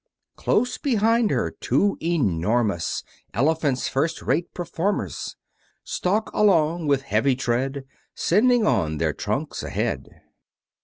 Close behind her two enormous Elephants, first rate performers, Stalk along with heavy tread, Sending on their trunks ahead.